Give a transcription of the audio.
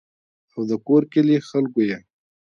او دَکور کلي خلقو ئې